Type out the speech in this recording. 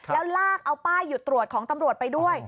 แล้วลากเอาป้ายหยุดตรวจของตำรวจไปด้วย